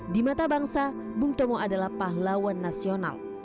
di mata bangsa bung tomo adalah pahlawan nasional